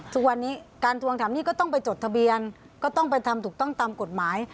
ทุกวันนี้การทวงถามหนี้ก็ต้องไปจดทะเบียนก็ต้องไปทำถูกต้องตามกฎหมาย